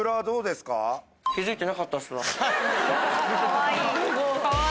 すごい。